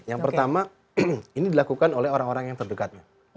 yang pertama ini dilakukan oleh orang orang yang terdekatnya